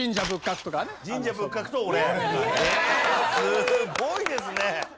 すごいですね。